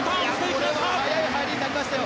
これは速い入りになりましたよ。